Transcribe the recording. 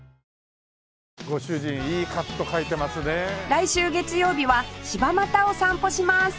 来週月曜日は柴又を散歩します